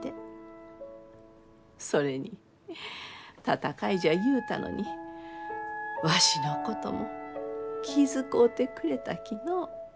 それに戦いじゃ言うたのにわしのことも気遣うてくれたきのう。